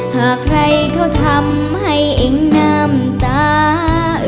หากใครเขาทำให้เองน้ำตา